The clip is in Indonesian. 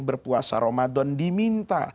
berpuasa ramadan diminta